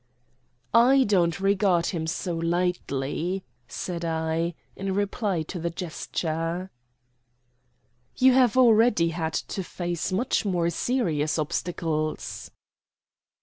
"I don't regard him so lightly," said I, in reply to the gesture. "You have already had to face much more serious obstacles."